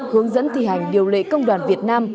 hướng dẫn thi hành điều lệ công đoàn việt nam